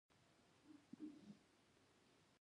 طبیعت له دغو لوړو غرونو جوړ دی.